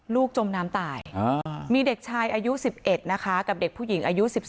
จมน้ำตายมีเด็กชายอายุ๑๑นะคะกับเด็กผู้หญิงอายุ๑๒